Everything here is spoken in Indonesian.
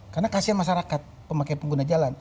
karena kasihan masyarakat pemakai pengguna jalan